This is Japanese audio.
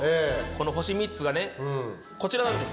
この星３つがねこちらなんです。